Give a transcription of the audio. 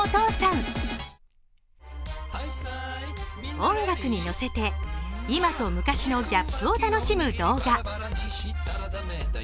音楽に乗せて今と昔のギャップを楽しむ動画。